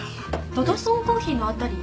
ドドソンコーヒーの辺り。